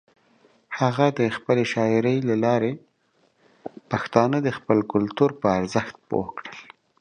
هغه د خپلې شاعرۍ له لارې پښتانه د خپل کلتور پر ارزښت پوه کړل.